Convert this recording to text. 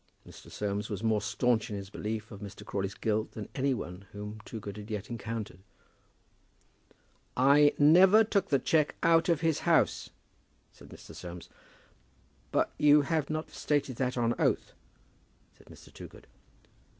Mr. Soames was more staunch in his belief of Mr. Crawley's guilt than any one whom Toogood had yet encountered. "I never took the cheque out of his house," said Mr. Soames. "But you have not stated that on oath," said Mr. Toogood.